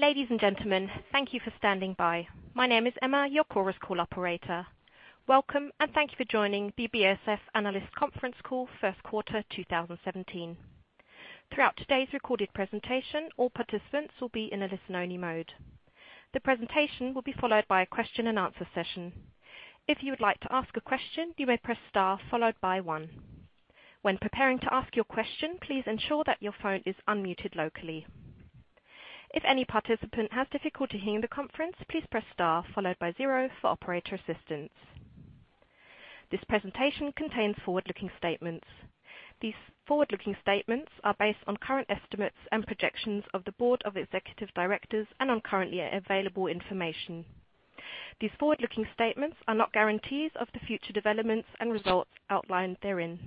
Ladies and gentlemen, thank you for standing by. My name is Emma, your Chorus Call operator. Welcome, and thank you for joining the BASF Analyst Conference Call, first quarter 2017. Throughout today's recorded presentation, all participants will be in a listen-only mode. The presentation will be followed by a question-and-answer session. If you would like to ask a question, you may press star followed by one. When preparing to ask your question, please ensure that your phone is unmuted locally. If any participant has difficulty hearing the conference, please press star followed by zero for operator assistance. This presentation contains forward-looking statements. These forward-looking statements are based on current estimates and projections of the Board of Executive Directors and on currently available information. These forward-looking statements are not guarantees of the future developments and results outlined therein.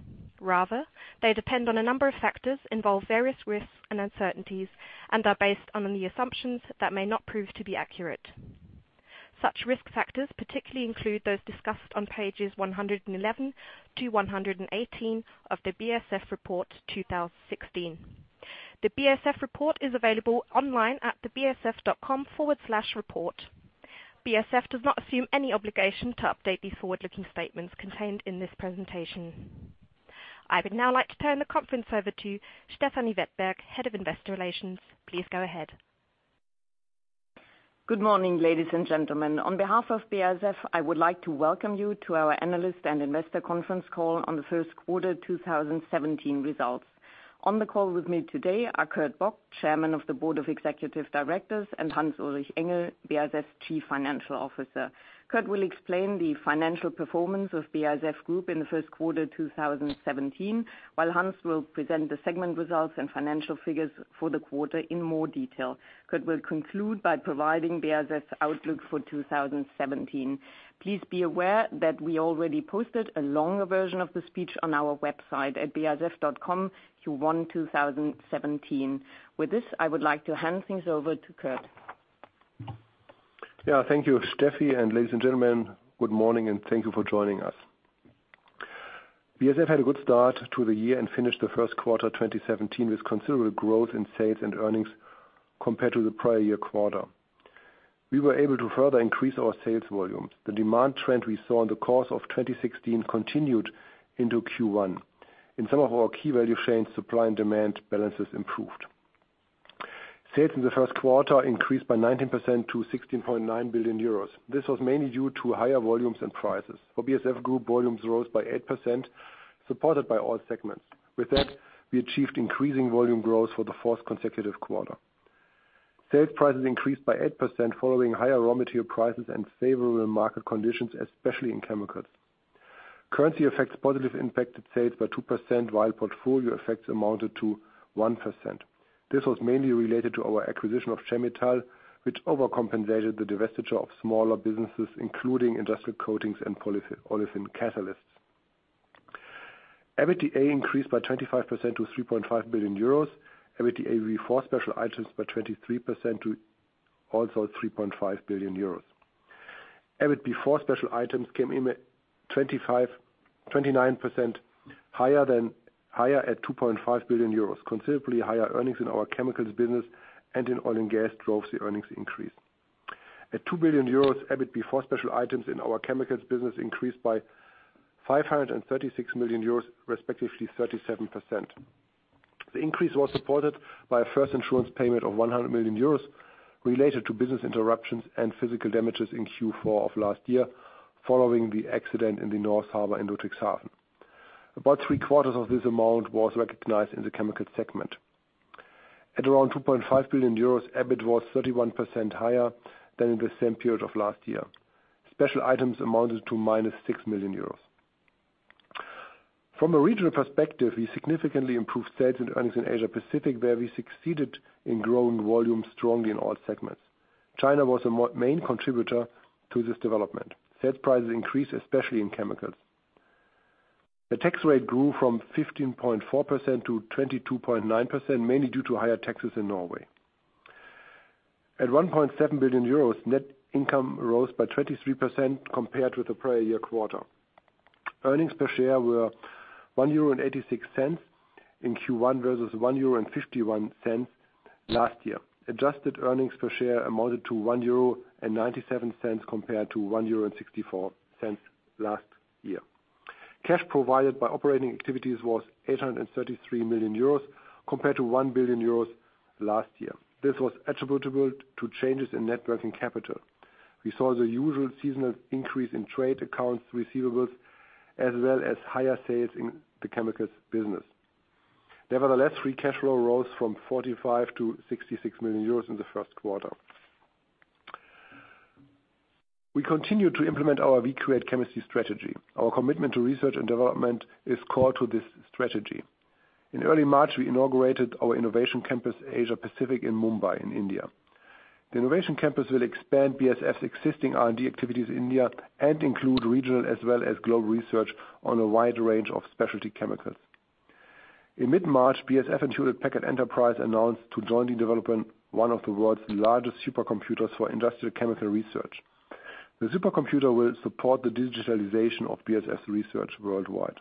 Rather, they depend on a number of factors, involve various risks and uncertainties, and are based on the assumptions that may not prove to be accurate. Such risk factors particularly include those discussed on pages 111-118 of the BASF Report 2016. The BASF report is available online at basf.com/report. BASF does not assume any obligation to update these forward-looking statements contained in this presentation. I would now like to turn the conference over to Stefanie Wettberg, Head of Investor Relations. Please go ahead. Good morning, ladies and gentlemen. On behalf of BASF, I would like to welcome you to our Analyst and Investor Conference Call on the Q1 2017 results. On the call with me today are Kurt Bock, Chairman of the Board of Executive Directors, and Hans-Ulrich Engel, BASF Chief Financial Officer. Kurt will explain the financial performance of BASF Group in the Q1 2017, while Hans will present the segment results and financial figures for the quarter in more detail. Kurt will conclude by providing BASF's outlook for 2017. Please be aware that we already posted a longer version of the speech on our website at basf.com/q1 2017. With this, I would like to hand things over to Kurt. Yeah, thank you, Steffi. Ladies and gentlemen, good morning, and thank you for joining us. BASF had a good start to the year and finished the first quarter 2017 with considerable growth in sales and earnings compared to the prior year quarter. We were able to further increase our sales volume. The demand trend we saw in the course of 2016 continued into Q1. In some of our key value chains, supply and demand balances improved. Sales in the first quarter increased by 19% to 16.9 billion euros. This was mainly due to higher volumes and prices. For BASF Group, volumes rose by 8%, supported by all segments. With that, we achieved increasing volume growth for the fourth consecutive quarter. Sales prices increased by 8% following higher raw material prices and favorable market conditions, especially in chemicals. Currency effects positively impacted sales by 2%, while portfolio effects amounted to 1%. This was mainly related to our acquisition of Chemetall, which overcompensated the divestiture of smaller businesses, including industrial coatings and polyolefin catalysts. EBITDA increased by 25% to 3.5 billion euros. EBITDA before special items increased by 23% to also 3.5 billion euros. EBIT before special items came in at 29% higher at 2.5 billion euros, considerably higher earnings in our chemicals business and in oil and gas drove the earnings increase. At 2 billion euros, EBIT before special items in our chemicals business increased by 536 million euros, respectively 37%. The increase was supported by a first insurance payment of 100 million euros related to business interruptions and physical damages in Q4 of last year following the accident in the North Harbor in Ludwigshafen. About three-quarters of this amount was recognized in the chemical segment. At around 2.5 billion euros, EBIT was 31% higher than in the same period of last year. Special items amounted to -6 million euros. From a regional perspective, we significantly improved sales and earnings in Asia-Pacific, where we succeeded in growing volumes strongly in all segments. China was a main contributor to this development. Sales prices increased, especially in chemicals. The tax rate grew from 15.4% to 22.9%, mainly due to higher taxes in Norway. At 1.7 billion euros, net income rose by 23% compared with the prior year quarter. Earnings per share were 1.86 euro in Q1 versus 1.51 euro last year. Adjusted earnings per share amounted to 1.97 euro compared to 1.64 euro last year. Cash provided by operating activities was 833 million euros compared to 1 billion euros last year. This was attributable to changes in net working capital. We saw the usual seasonal increase in trade accounts receivables as well as higher sales in the chemicals business. Nevertheless, Free Cash Flow rose from 45 million-66 million euros in the first quarter. We continue to implement our We Create Chemistry strategy. Our commitment to research and development is core to this strategy. In early March, we inaugurated our Innovation Campus Asia-Pacific in Mumbai in India. The Innovation Campus will expand BASF's existing R&D activities in India and include regional as well as global research on a wide range of specialty chemicals. In mid-March, BASF and Hewlett Packard Enterprise announced to join in developing one of the world's largest supercomputers for industrial chemical research. The supercomputer will support the digitalization of BASF research worldwide.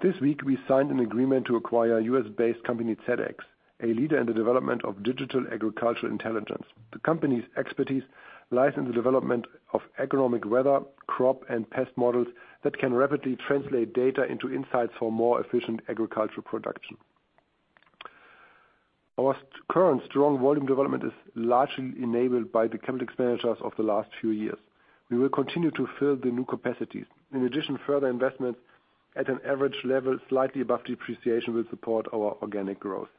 This week we signed an agreement to acquire U.S.-based company ZedX, a leader in the development of digital agricultural intelligence. The company's expertise lies in the development of economic weather, crop, and pest models that can rapidly translate data into insights for more efficient agricultural production. Our current strong volume development is largely enabled by the capital expenditures of the last few years. We will continue to fill the new capacities. In addition, further investments at an average level, slightly above depreciation, will support our organic growth.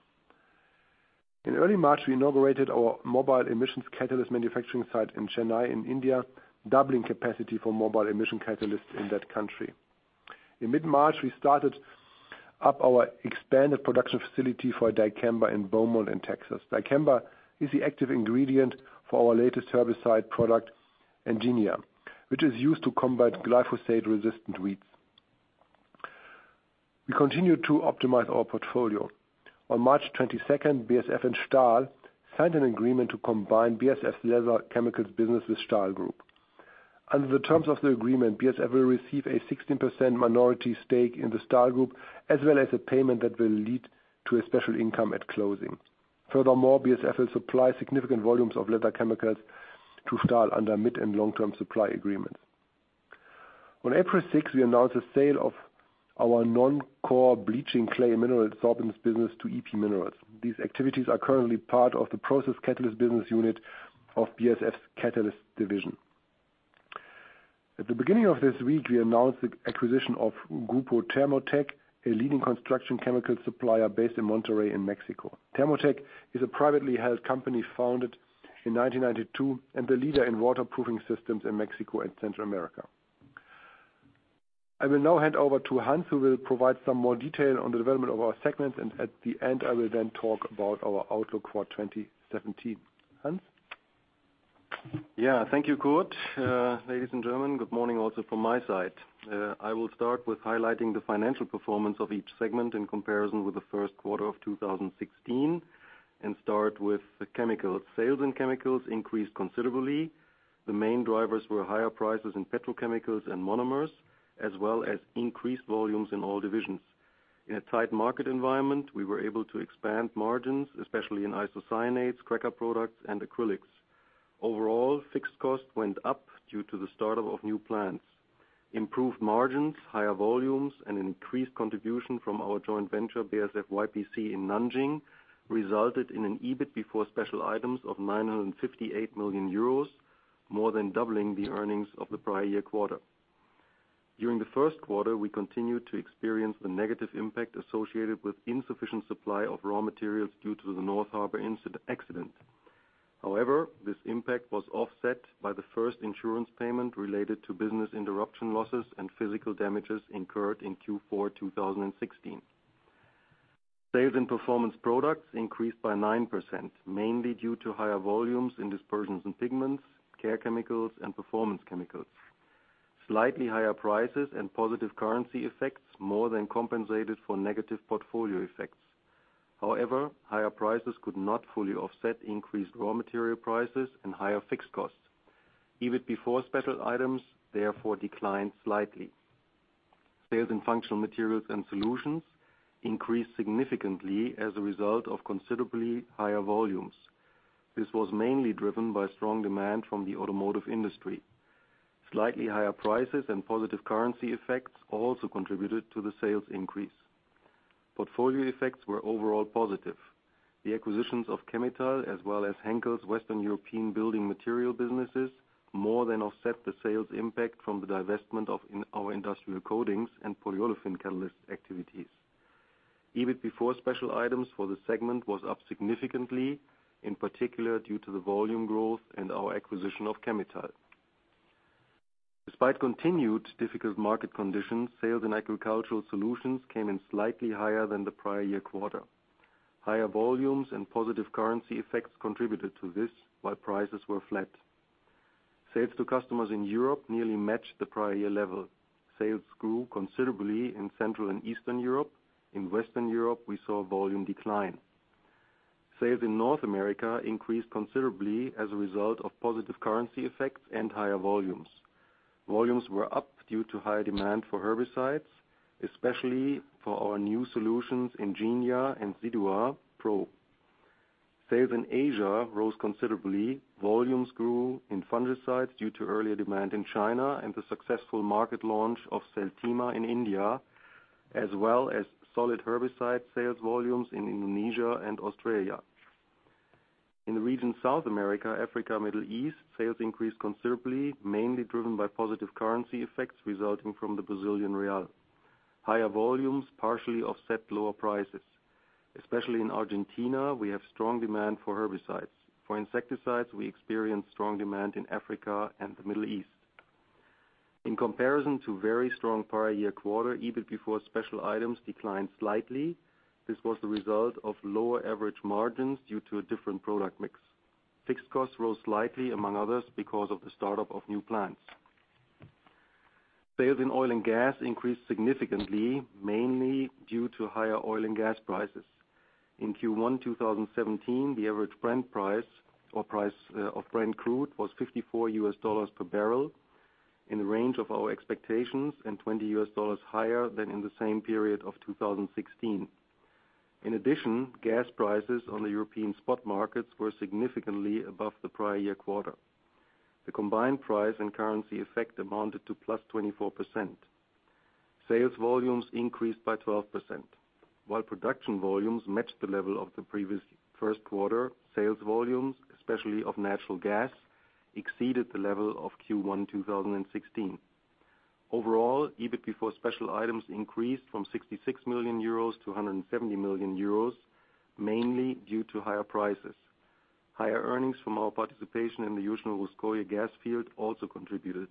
In early March, we inaugurated our mobile emissions catalyst manufacturing site in Chennai, India, doubling capacity for mobile emission catalysts in that country. In mid-March, we started up our expanded production facility for dicamba in Beaumont, Texas. Dicamba is the active ingredient for our latest herbicide product, Engenia, which is used to combat glyphosate-resistant weeds. We continue to optimize our portfolio. On March 22nd, BASF and Stahl signed an agreement to combine BASF Leather Chemicals business with Stahl Group. Under the terms of the agreement, BASF will receive a 16% minority stake in the Stahl Group, as well as a payment that will lead to a special income at closing. Furthermore, BASF will supply significant volumes of leather chemicals to Stahl under mid and long-term supply agreements. On April 6, we announced the sale of our non-core bleaching clay mineral sorbents business to EP Minerals. These activities are currently part of the process catalyst business unit of BASF's catalyst division. At the beginning of this week, we announced the acquisition of Grupo Thermotek, a leading construction chemical supplier based in Monterrey in Mexico. Thermotek is a privately held company founded in 1992, and the leader in waterproofing systems in Mexico and Central America. I will now hand over to Hans, who will provide some more detail on the development of our segments, and at the end, I will then talk about our outlook for 2017. Hans? Yeah. Thank you, Kurt. Ladies and gentlemen, good morning also from my side. I will start with highlighting the financial performance of each segment in comparison with the first quarter of 2016, and start with the chemicals. Sales in chemicals increased considerably. The main drivers were higher prices in petrochemicals and monomers, as well as increased volumes in all divisions. In a tight market environment, we were able to expand margins, especially in isocyanates, cracker products, and acrylics. Overall, fixed costs went up due to the startup of new plants. Improved margins, higher volumes, and increased contribution from our joint venture, BASF-YPC in Nanjing, resulted in an EBIT before special items of 958 million euros, more than doubling the earnings of the prior year quarter. During the first quarter, we continued to experience the negative impact associated with insufficient supply of raw materials due to the North Harbor incident. However, this impact was offset by the first insurance payment related to business interruption losses and physical damages incurred in Q4 2016. Sales in Performance Products increased by 9%, mainly due to higher volumes in dispersions and pigments, care chemicals, and performance chemicals. Slightly higher prices and positive currency effects more than compensated for negative portfolio effects. However, higher prices could not fully offset increased raw material prices and higher fixed costs. EBIT before special items, therefore, declined slightly. Sales in Functional Materials and Solutions increased significantly as a result of considerably higher volumes. This was mainly driven by strong demand from the automotive industry. Slightly higher prices and positive currency effects also contributed to the sales increase. Portfolio effects were overall positive. The acquisitions of Chemetall, as well as Henkel's Western European building material businesses, more than offset the sales impact from the divestment of our industrial coatings and polyolefin catalyst activities. EBIT before special items for the segment was up significantly, in particular, due to the volume growth and our acquisition of Chemetall. Despite continued difficult market conditions, sales in agricultural solutions came in slightly higher than the prior year quarter. Higher volumes and positive currency effects contributed to this, while prices were flat. Sales to customers in Europe nearly matched the prior year level. Sales grew considerably in Central and Eastern Europe. In Western Europe, we saw volume decline. Sales in North America increased considerably as a result of positive currency effects and higher volumes. Volumes were up due to high demand for herbicides, especially for our new solutions, Engenia and Zidua PRO. Sales in Asia rose considerably. Volumes grew in fungicides due to earlier demand in China and the successful market launch of Seltima in India, as well as solid herbicide sales volumes in Indonesia and Australia. In the region South America, Africa, Middle East, sales increased considerably, mainly driven by positive currency effects resulting from the Brazilian real. Higher volumes partially offset lower prices. Especially in Argentina, we have strong demand for herbicides. For insecticides, we experience strong demand in Africa and the Middle East. In comparison to very strong prior-year quarter, EBIT before special items declined slightly. This was the result of lower average margins due to a different product mix. Fixed costs rose slightly, among others, because of the startup of new plants. Sales in oil and gas increased significantly, mainly due to higher oil and gas prices. In Q1 2017, the average Brent price or price of Brent crude was $54 per bbl in the range of our expectations and $20 higher than in the same period of 2016. In addition, gas prices on the European spot markets were significantly above the prior year quarter. The combined price and currency effect amounted to +24%. Sales volumes increased by 12%. While production volumes matched the level of the previous first quarter, sales volumes, especially of natural gas, exceeded the level of Q1 2016. Overall, EBIT before special items increased from 66 million euros to 170 million euros, mainly due to higher prices. Higher earnings from our participation in the Yuzhno-Russkoye gas field also contributed.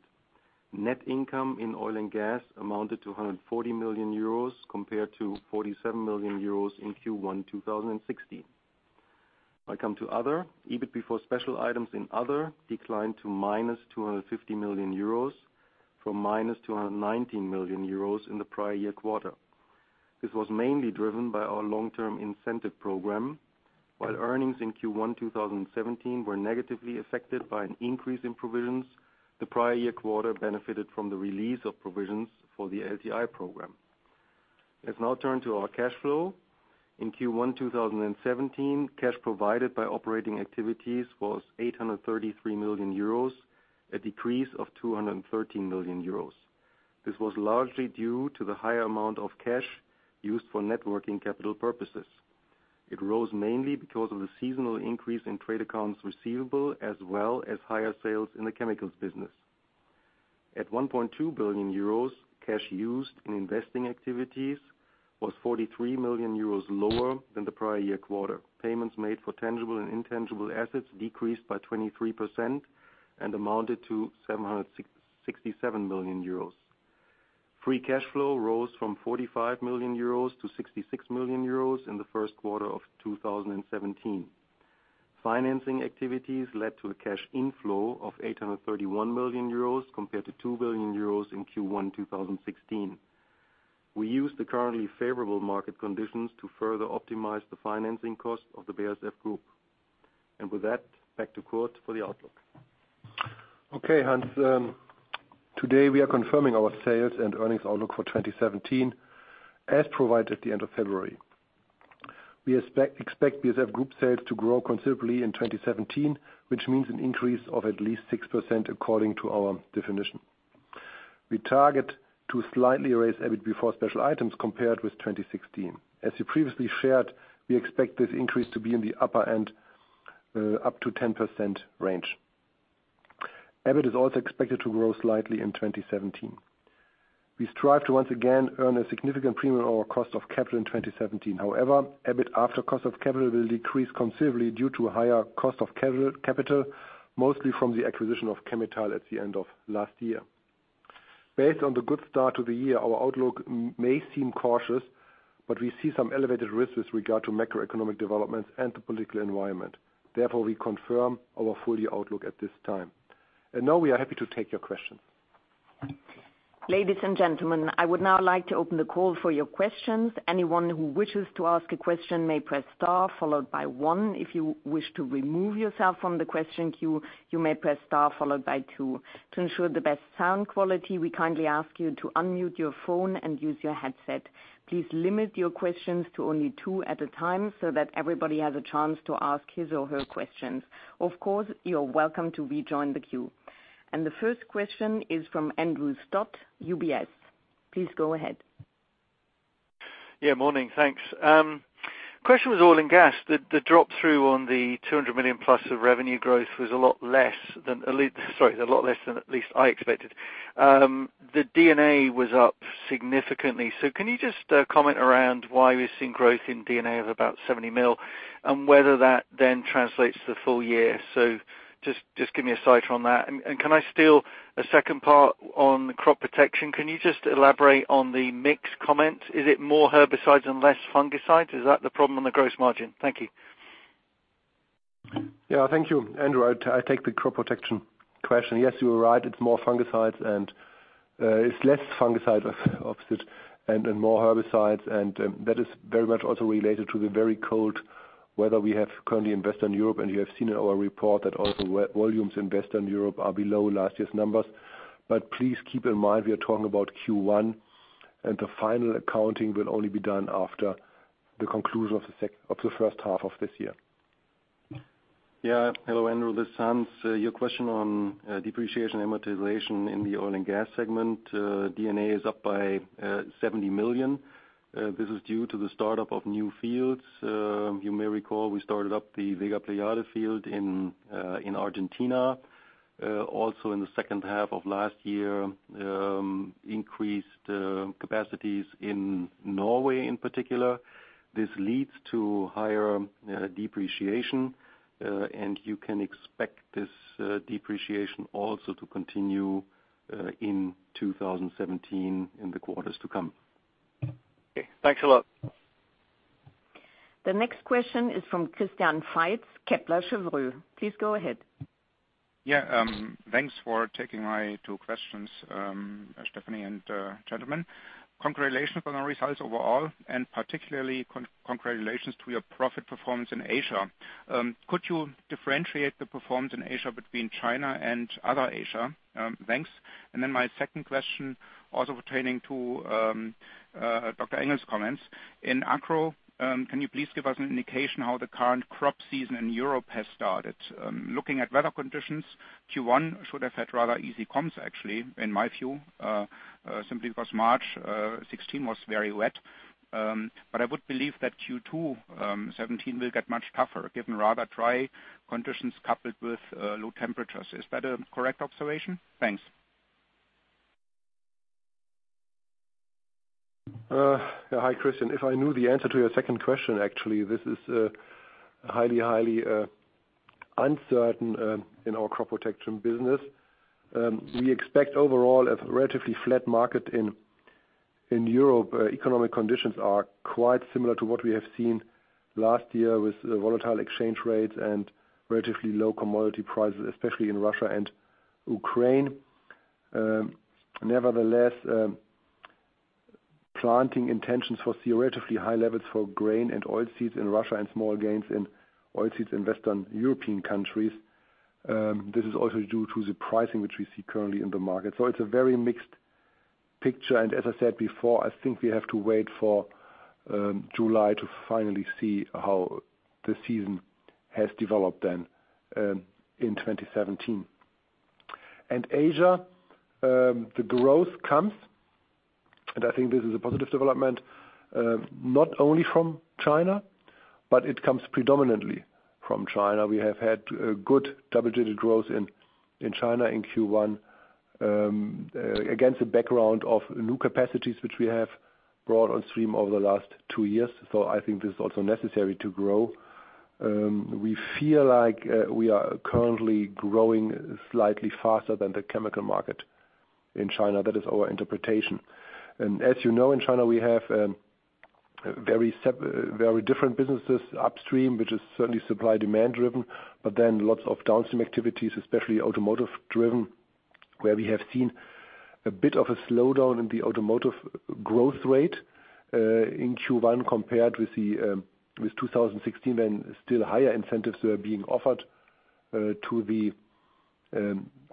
Net income in oil and gas amounted to 140 million euros compared to 47 million euros in Q1 2016. I come to other. EBIT before special items in other declined to -250 million euros from -219 million euros in the prior year quarter. This was mainly driven by our long-term incentive program. While earnings in Q1 2017 were negatively affected by an increase in provisions, the prior year quarter benefited from the release of provisions for the LTI program. Let's now turn to our cash flow. In Q1 2017, cash provided by operating activities was 833 million euros, a decrease of 213 million euros. This was largely due to the higher amount of cash used for net working capital purposes. It rose mainly because of the seasonal increase in trade accounts receivable as well as higher sales in the chemicals business. At 1.2 billion euros, cash used in investing activities was 43 million euros lower than the prior year quarter. Payments made for tangible and intangible assets decreased by 23% and amounted to 767 million euros. Free Cash Flow rose from 45 million euros to 66 million euros in the first quarter of 2017. Financing activities led to a cash inflow of 831 million euros compared to 2 billion euros in Q1 2016. We use the currently favorable market conditions to further optimize the financing cost of the BASF Group. With that, back to Kurt for the outlook. Okay, Hans. Today we are confirming our sales and earnings outlook for 2017 as provided at the end of February. We expect BASF group sales to grow considerably in 2017, which means an increase of at least 6% according to our definition. We target to slightly raise EBIT before special items compared with 2016. As we previously shared, we expect this increase to be in the upper end up to 10% range. EBIT is also expected to grow slightly in 2017. We strive to once again earn a significant premium over our cost of capital in 2017. However, EBIT after cost of capital will decrease considerably due to a higher cost of capital, mostly from the acquisition of Chemetall at the end of last year. Based on the good start to the year, our outlook may seem cautious, but we see some elevated risks with regard to macroeconomic developments and the political environment. Therefore, we confirm our full year outlook at this time. Now we are happy to take your questions. Ladies and gentlemen, I would now like to open the call for your questions. Anyone who wishes to ask a question may press star followed by one. If you wish to remove yourself from the question queue, you may press star followed by two. To ensure the best sound quality, we kindly ask you to unmute your phone and use your headset. Please limit your questions to only two at a time so that everybody has a chance to ask his or her questions. Of course, you're welcome to rejoin the queue. The first question is from Andrew Stott, UBS. Please go ahead. Yeah, morning. Thanks. Question was oil and gas. The flow-through on the 200 million plus of revenue growth was a lot less than at least I expected. The D&A was up significantly. Can you just comment around why we're seeing growth in D&A of about 70 million, and whether that then translates to the full year? Just give me a sight on that. Can I steal a second part on crop protection? Can you just elaborate on the mix comment? Is it more herbicides and less fungicides? Is that the problem on the gross margin? Thank you. Yeah. Thank you, Andrew. I take the crop protection question. Yes, you are right. It's more fungicides and it's less fungicides opposite and more herbicides. That is very much also related to the very cold weather we have currently in Western Europe. You have seen in our report that also our volumes in Western Europe are below last year's numbers. Please keep in mind we are talking about Q1, and the final accounting will only be done after the conclusion of the first half of this year. Yeah. Hello, Andrew. This is Hans. Your question on depreciation amortization in the oil and gas segment. D&A is up by 70 million. This is due to the start-up of new fields. You may recall we started up the Vega Pleyade field in Argentina. Also, in the second half of last year, increased capacities in Norway in particular. This leads to higher depreciation, and you can expect this depreciation also to continue in 2017 in the quarters to come. Okay. Thanks a lot. The next question is from Christian Faitz, Kepler Cheuvreux. Please go ahead. Yeah. Thanks for taking my two questions, Stefanie and gentlemen. Congratulations on the results overall, and particularly congratulations to your profit performance in Asia. Could you differentiate the performance in Asia between China and other Asia? Thanks. My second question, also pertaining to Dr. Engel's comments, in Agro, can you please give us an indication how the current crop season in Europe has started? Looking at weather conditions, Q1 should have had rather easy comps actually, in my view, simply because March 2016 was very wet. I would believe that Q2 2017 will get much tougher given rather dry conditions coupled with low temperatures. Is that a correct observation? Thanks. Hi Christian. If I knew the answer to your second question, actually, this is highly uncertain in our crop protection business. We expect overall a relatively flat market in Europe. Economic conditions are quite similar to what we have seen last year with the volatile exchange rates and relatively low commodity prices, especially in Russia and Ukraine. Nevertheless, planting intentions for theoretically high levels for grain and oil seeds in Russia and small gains in oil seeds in Western European countries, this is also due to the pricing which we see currently in the market. It's a very mixed picture, and as I said before, I think we have to wait for July to finally see how the season has developed then in 2017. Asia, the growth comes, and I think this is a positive development, not only from China, but it comes predominantly from China. We have had good double-digit growth in China in Q1, against the background of new capacities which we have brought on stream over the last two years. I think this is also necessary to grow. We feel like we are currently growing slightly faster than the chemical market in China. That is our interpretation. As you know, in China, we have very different businesses upstream, which is certainly supply/demand driven, but then lots of downstream activities, especially automotive-driven, where we have seen a bit of a slowdown in the automotive growth rate in Q1 compared with 2016, when still higher incentives were being offered to the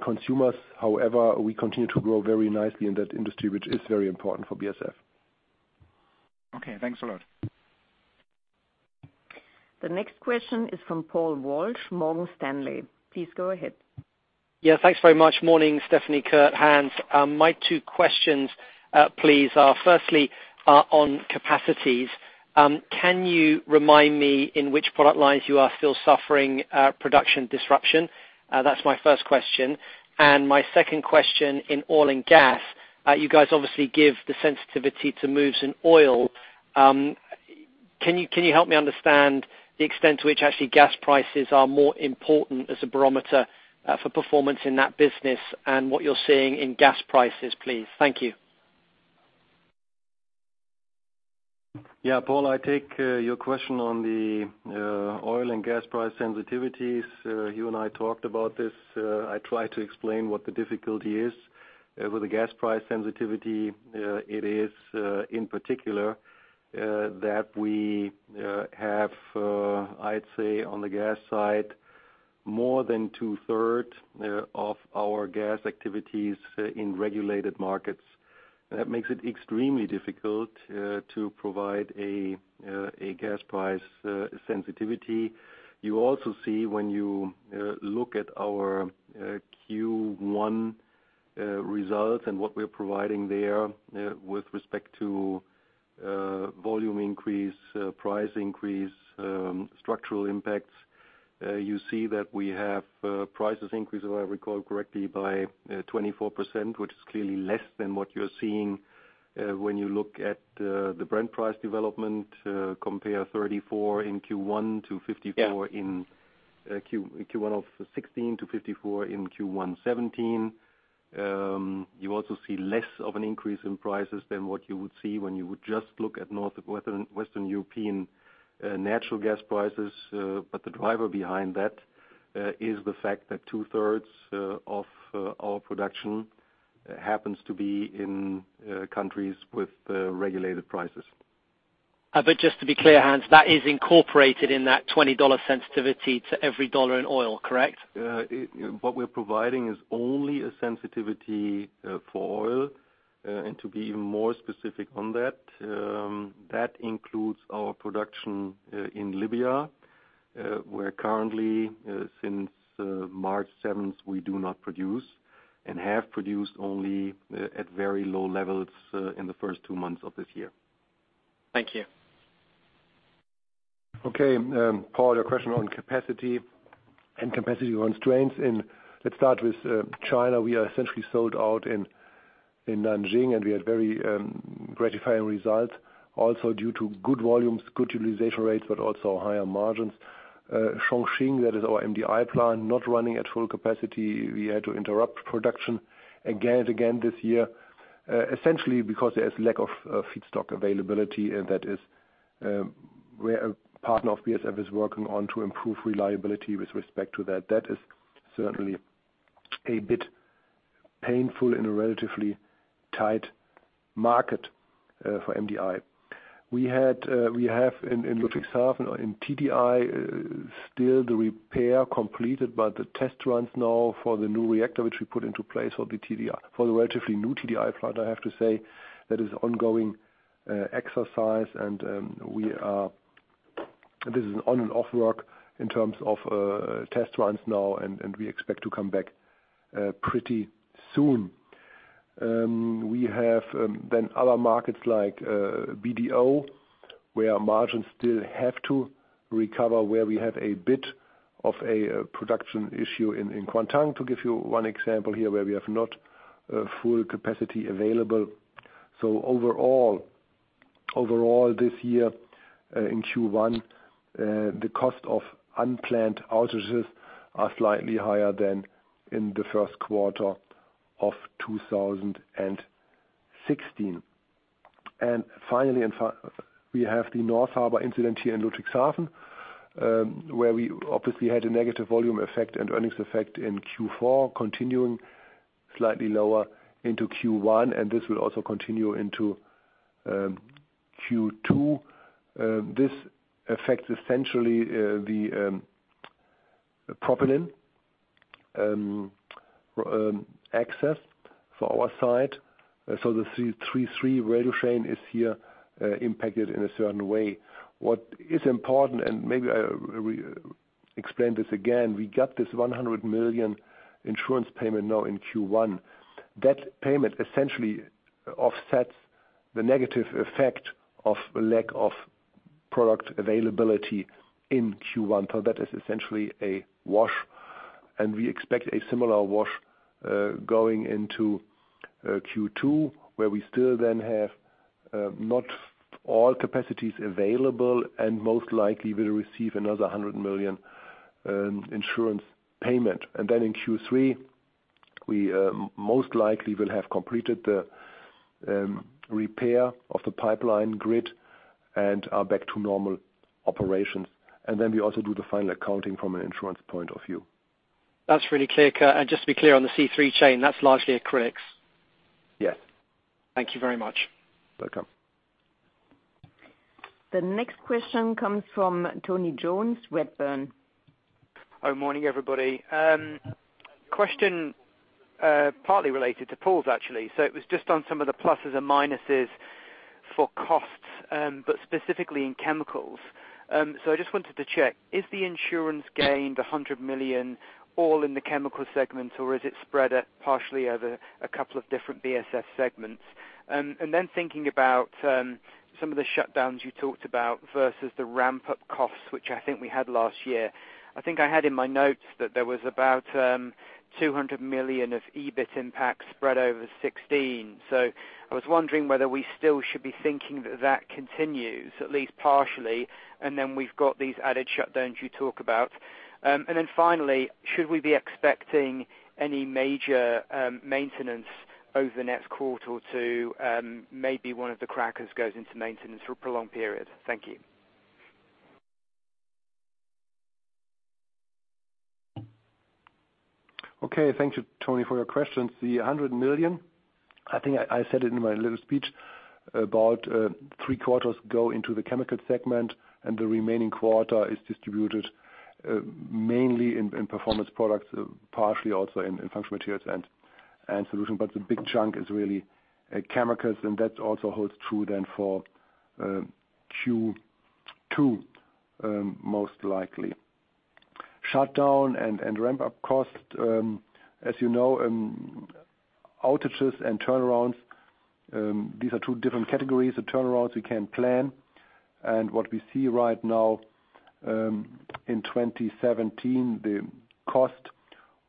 consumers. However, we continue to grow very nicely in that industry, which is very important for BASF. Okay, thanks a lot. The next question is from Paul Walsh, Morgan Stanley. Please go ahead. Yeah, thanks very much. Morning, Stefanie, Kurt, Hans. My two questions, please are firstly, on capacities. Can you remind me in which product lines you are still suffering, production disruption? That's my first question. My second question, in oil and gas, you guys obviously give the sensitivity to moves in oil. Can you help me understand the extent to which actually gas prices are more important as a barometer, for performance in that business and what you're seeing in gas prices, please? Thank you. Yeah, Paul, I take your question on the oil and gas price sensitivities. You and I talked about this. I tried to explain what the difficulty is with the gas price sensitivity. It is, in particular, that we have, I'd say on the gas side, more than 2/3 of our gas activities in regulated markets. That makes it extremely difficult to provide a gas price sensitivity. You also see when you look at our Q1 results and what we're providing there with respect to volume increase, price increase, structural impacts, you see that we have prices increase, if I recall correctly, by 24%, which is clearly less than what you're seeing when you look at the Brent price development, compare $34 in Q1 to $54 in- Yeah. Q1 of 2016 to $54 in Q1 2017. You also see less of an increase in prices than what you would see when you would just look at Northwestern European natural gas prices. The driver behind that is the fact that 2/3 of our production happens to be in countries with regulated prices. Just to be clear, Hans, that is incorporated in that $20 sensitivity to every dollar in oil, correct? What we're providing is only a sensitivity for oil. To be even more specific on that includes our production in Libya, where currently, since March 7th, we do not produce and have produced only at very low levels in the first two months of this year. Thank you. Okay. Paul, your question on capacity and capacity constraints and let's start with China. We are essentially sold out in Nanjing, and we had very gratifying results also due to good volumes, good utilization rates, but also higher margins. Chongqing, that is our MDI plant, not running at full capacity. We had to interrupt production again and again this year, essentially because there is lack of feedstock availability, and that is We're a partner of BASF is working on to improve reliability with respect to that. That is certainly a bit painful in a relatively tight market for MDI. We have in Ludwigshafen our TDI still the repair completed, but the test runs now for the new reactor which we put into place for the relatively new TDI plant. I have to say that is ongoing exercise and this is an on and off work in terms of test runs now, and we expect to come back pretty soon. We have then other markets like BDO, where our margins still have to recover, where we have a bit of a production issue in Kuantan, to give you one example here, where we have not full capacity available. Overall this year, in Q1, the cost of unplanned outages are slightly higher than in the first quarter of 2016. Finally, we have the North Harbor incident here in Ludwigshafen, where we obviously had a negative volume effect and earnings effect in Q4, continuing slightly lower into Q1, and this will also continue into Q2. This affects essentially the propylene access for our site. The C3 train is here impacted in a certain way. What is important, maybe I re-explain this again, we got this 100 million insurance payment now in Q1. That payment essentially offsets the negative effect of lack of product availability in Q1. That is essentially a wash. We expect a similar wash going into Q2, where we still then have not all capacities available and most likely will receive another 100 million insurance payment. In Q3, we most likely will have completed the repair of the pipeline grid and are back to normal operations. We also do the final accounting from an insurance point of view. That's really clear, Kurt. Just to be clear on the C3 chain, that's largely acrylics? Yes. Thank you very much. Welcome. The next question comes from Tony Jones, Redburn. Hi. Morning, everybody. Question, partly related to Paul's, actually. It was just on some of the pluses and minuses for costs, but specifically in chemicals. I just wanted to check, is the insurance gain 100 million all in the Chemicals segment, or is it spread partially over a couple of different BASF segments? Thinking about some of the shutdowns you talked about versus the ramp-up costs, which I think we had last year. I think I had in my notes that there was about 200 million of EBIT impact spread over 2016. I was wondering whether we still should be thinking that that continues, at least partially, and then we've got these added shutdowns you talk about. Finally, should we be expecting any major maintenance over the next quarter or two, maybe one of the crackers goes into maintenance for a prolonged period? Thank you. Okay. Thank you, Tony, for your questions. The 100 million, I think I said it in my little speech, about three quarters go into the Chemicals segment and the remaining quarter is distributed mainly in Performance Products, partially also in Functional Materials and Solutions. The big chunk is really chemicals, and that also holds true then for Q2, most likely. Shutdown and ramp-up costs, as you know, outages and turnarounds, these are two different categories. The turnarounds we can plan. What we see right now in 2017, the cost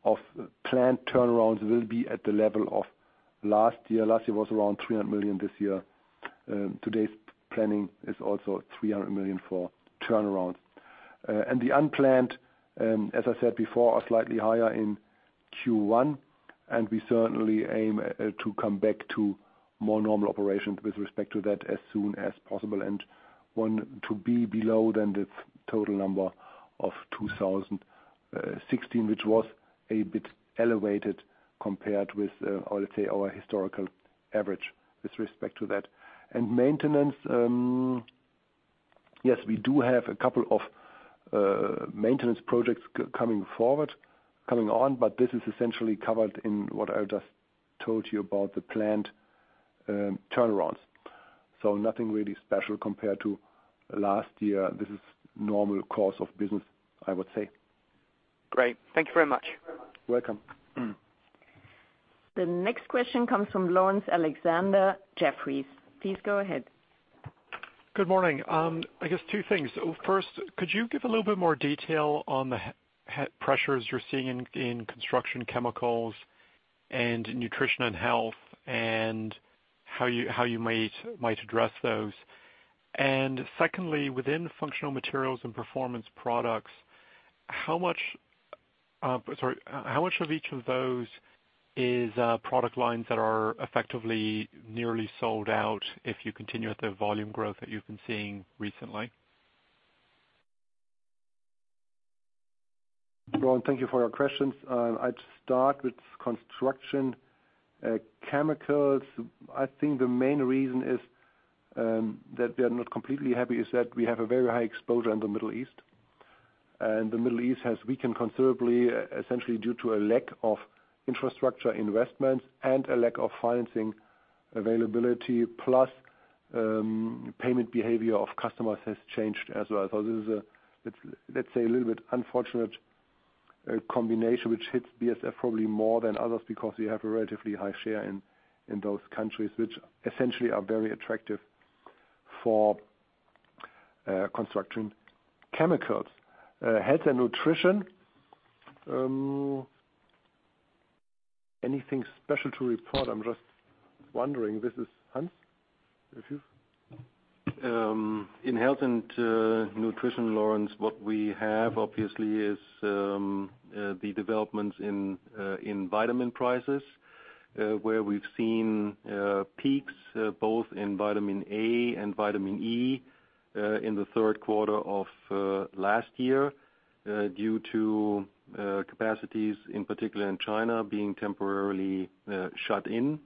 of planned turnarounds will be at the level of last year. Last year was around 300 million. This year, today's planning is also 300 million for turnarounds. The unplanned, as I said before, are slightly higher in Q1, and we certainly aim to come back to more normal operations with respect to that as soon as possible. Want to be below than the total number of 2016, which was a bit elevated compared with, let's say, our historical average with respect to that. Maintenance, yes, we do have a couple of maintenance projects coming forward, coming on, but this is essentially covered in what I just told you about the planned turnarounds. Nothing really special compared to last year. This is normal course of business, I would say. Great. Thank you very much. Welcome. The next question comes from Laurence Alexander, Jefferies. Please go ahead. Good morning. I guess two things. First, could you give a little bit more detail on the high pressures you're seeing in Construction Chemicals and Nutrition and Health, and how you might address those? Secondly, within Functional Materials and Performance Products, how much... Sorry, how much of each of those is product lines that are effectively nearly sold out if you continue at the volume growth that you've been seeing recently? Laurence, thank you for your questions. I'd start with construction chemicals. I think the main reason is that we are not completely happy, that we have a very high exposure in the Middle East. The Middle East has weakened considerably, essentially due to a lack of infrastructure investments and a lack of financing availability. Plus, payment behavior of customers has changed as well. This is a let's say a little bit unfortunate combination which hits BASF probably more than others because we have a relatively high share in those countries, which essentially are very attractive for construction chemicals. Health and nutrition, anything special to report? I'm just wondering. This is Hans, if you... In health and nutrition, Laurence, what we have obviously is the developments in vitamin prices, where we've seen peaks both in vitamin A and vitamin E in the third quarter of last year due to capacities, in particular in China, being temporarily shut in.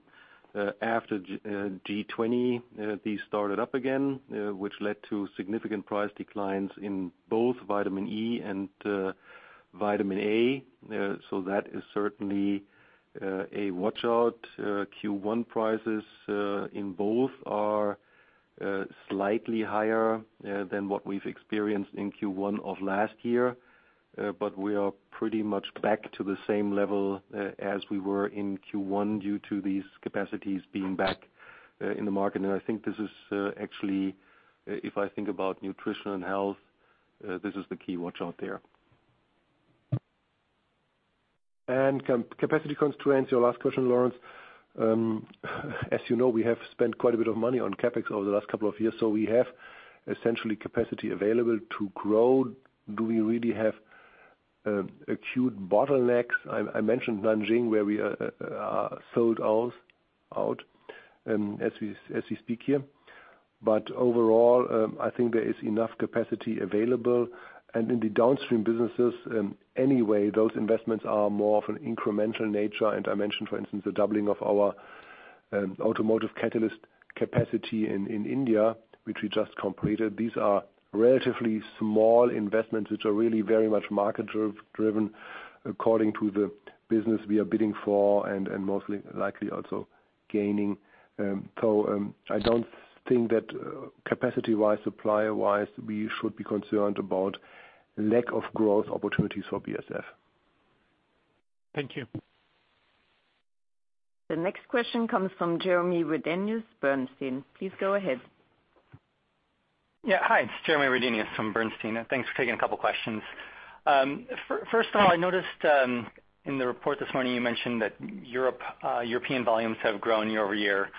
After G20, these started up again, which led to significant price declines in both vitamin E and vitamin A. That is certainly a watch-out. Q1 prices in both are slightly higher than what we've experienced in Q1 of last year. We are pretty much back to the same level as we were in Q1 due to these capacities being back in the market. I think this is actually, if I think about nutrition and health, this is the key watch-out there. Capacity constraints, your last question, Laurence. As you know, we have spent quite a bit of money on CapEx over the last couple of years, so we have essentially capacity available to grow. Do we really have acute bottlenecks? I mentioned Nanjing, where we are sold out as we speak here. But overall, I think there is enough capacity available. In the downstream businesses, anyway, those investments are more of an incremental nature. I mentioned, for instance, the doubling of our automotive catalyst capacity in India, which we just completed. These are relatively small investments, which are really very much market-driven according to the business we are bidding for and most likely also gaining. I don't think that, capacity-wise, supplier-wise, we should be concerned about lack of growth opportunities for BASF. Thank you. The next question comes from Jeremy Redenius, Bernstein. Please go ahead. Yeah. Hi, it's Jeremy Redenius from Bernstein. Thanks for taking a couple questions. First of all, I noticed in the report this morning, you mentioned that European volumes have grown year-over-year.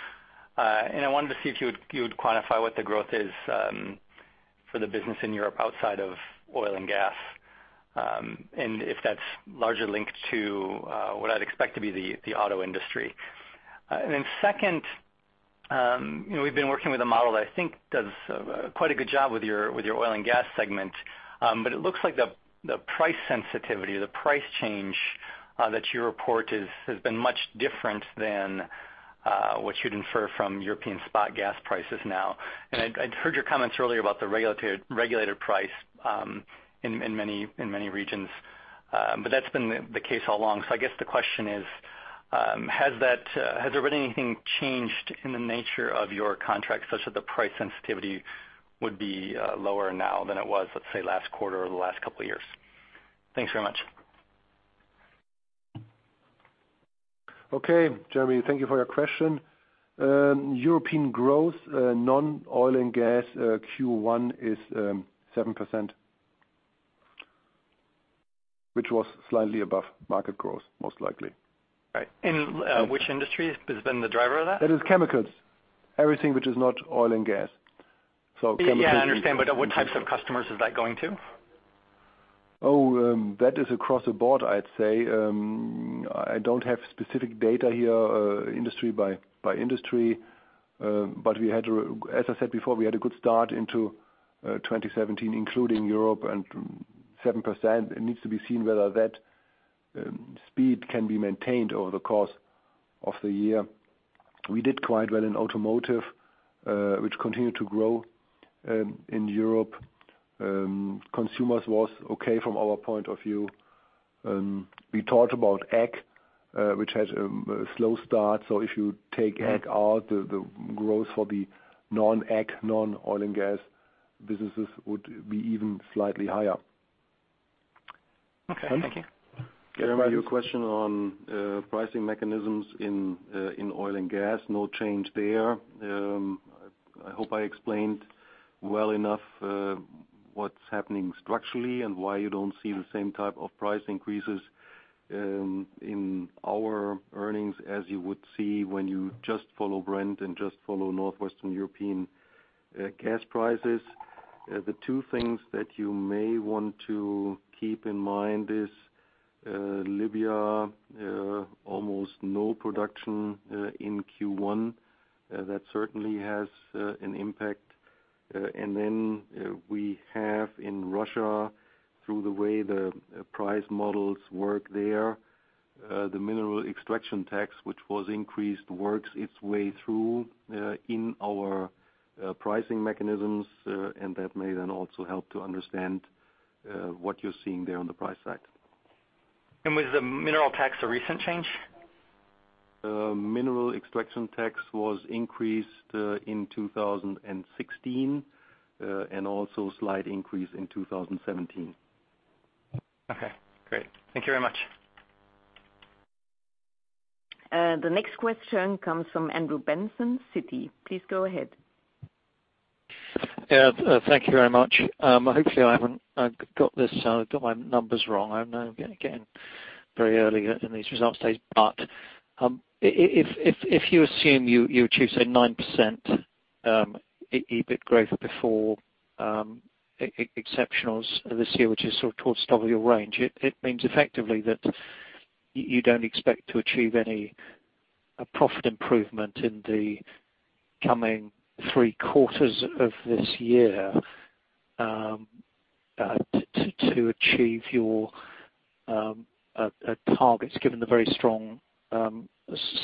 I wanted to see if you would quantify what the growth is for the business in Europe outside of oil and gas, and if that's largely linked to what I'd expect to be the auto industry? Second, you know, we've been working with a model that I think does quite a good job with your oil and gas segment. It looks like the price sensitivity or the price change that you report has been much different than what you'd infer from European spot gas prices now? I'd heard your comments earlier about the regulatory price in many regions. That's been the case all along. I guess the question is, has there been anything changed in the nature of your contract such that the price sensitivity would be lower now than it was, let's say, last quarter or the last couple of years? Thanks very much. Okay, Jeremy, thank you for your question. European growth, non-oil and gas, Q1 is 7%, which was slightly above market growth, most likely. Right. Which industry has been the driver of that? That is chemicals. Everything which is not oil and gas. Yeah, I understand. What types of customers is that going to? That is across the board, I'd say. I don't have specific data here, industry by industry. But as I said before, we had a good start into 2017, including Europe and 7%. It needs to be seen whether that speed can be maintained over the course of the year. We did quite well in automotive, which continued to grow in Europe. Consumers was okay from our point of view. We talked about ag, which has a slow start. If you take ag out, the growth for the non-ag, non-oil and gas businesses would be even slightly higher. Okay. Thank you. Hans? Jeremy, your question on pricing mechanisms in oil and gas, no change there. I hope I explained well enough what's happening structurally and why you don't see the same type of price increases. In our earnings as you would see when you just follow Brent and just follow Northwestern European gas prices. The two things that you may want to keep in mind is Libya, almost no production in Q1. That certainly has an impact. And then we have in Russia through the way the price models work there, the mineral extraction tax, which was increased, works its way through in our pricing mechanisms, and that may then also help to understand what you're seeing there on the price side. Was the mineral tax a recent change? The mineral extraction tax was increased in 2016 and also slight increase in 2017. Okay, great. Thank you very much. The next question comes from Andrew Benson, Citi. Please go ahead. Thank you very much. Hopefully I haven't got my numbers wrong. I know I'm getting very early in these results today. If you assume you achieve say 9% EBIT growth before exceptionals this year, which is sort of towards top of your range, it means effectively that you don't expect to achieve any profit improvement in the coming three quarters of this year to achieve your targets given the very strong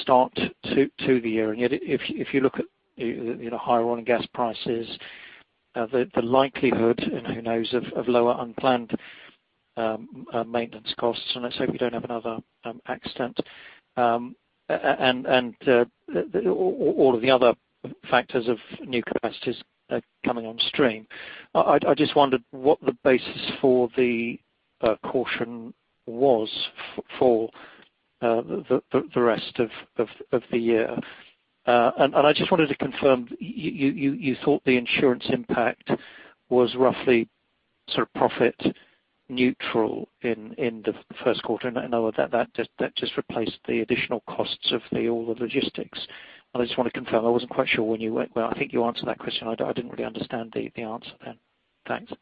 start to the year. Yet if you look at you know higher oil and gas prices the likelihood, and who knows, of lower unplanned maintenance costs, and let's hope we don't have another accident. And the All of the other factors of new capacities are coming on stream. I just wondered what the basis for the caution was for the rest of the year. I just wanted to confirm you thought the insurance impact was roughly sort of profit neutral in the first quarter, and I know that just replaced the additional costs of all the logistics. I just wanna confirm, I wasn't quite sure when you went. Well, I think you answered that question. I didn't really understand the answer then. Thanks.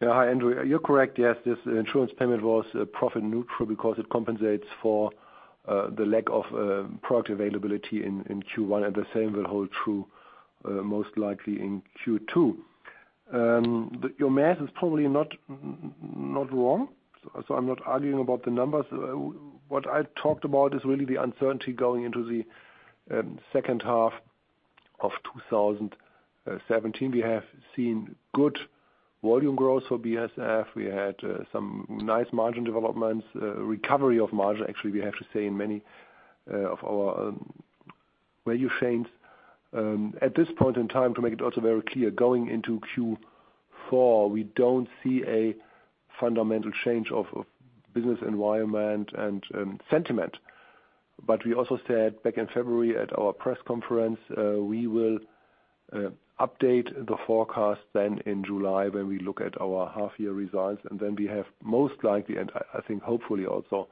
Yeah. Hi, Andrew. You're correct. Yes, this insurance payment was profit neutral because it compensates for the lack of product availability in Q1 and the same will hold true most likely in Q2. Your math is probably not wrong, so I'm not arguing about the numbers. What I talked about is really the uncertainty going into the second half of 2017. We have seen good volume growth for BASF. We had some nice margin developments, recovery of margin actually we have to say in many of our value chains. At this point in time, to make it also very clear, going into Q4, we don't see a fundamental change of business environment and sentiment. We also said back in February at our press conference, we will update the forecast then in July when we look at our half year results, and then we have most likely, and I think hopefully also,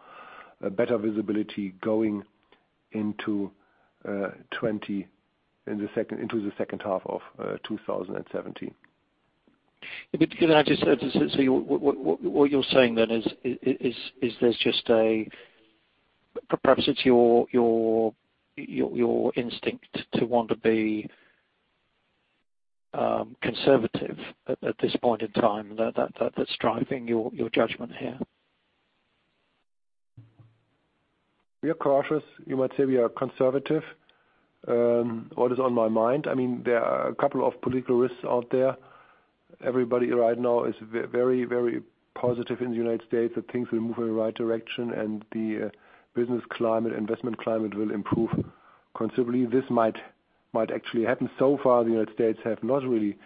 a better visibility going into the second half of 2017. Can I just what you're saying then is there's just a perhaps it's your instinct to want to be conservative at this point in time that that's driving your judgment here. We are cautious. You might say we are conservative. What is on my mind, I mean, there are a couple of political risks out there. Everybody right now is very, very positive in the United States that things will move in the right direction and the business climate, investment climate will improve considerably. This might actually happen. So far, the United States have not really